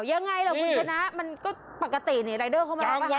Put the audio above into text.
อย่างไรล่ะคุณค้ามันก็ปกติให้รายเดอร์เขามารับอาหาร